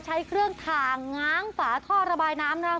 ใช้เครื่องถ่างง้างฝาท่อระบายน้ำนะคะ